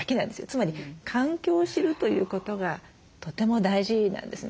つまり環境を知るということがとても大事なんですね。